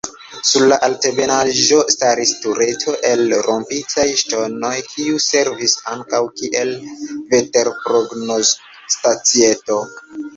Sur la altebenaĵo staris tureto el rompitaj ŝtonoj kiu servis ankaŭ kiel veterprognozstacieto.